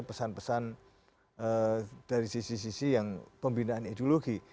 pesan pesan dari sisi sisi yang pembinaan ideologi